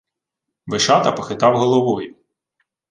Вишата похитав головою.